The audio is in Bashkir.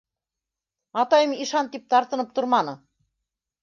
Атайым ишан тип тартынып торманы.